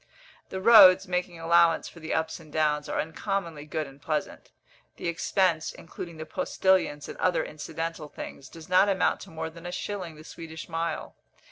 The roads, making allowance for the ups and downs, are uncommonly good and pleasant. The expense, including the postillions and other incidental things, does not amount to more than a shilling the Swedish mile.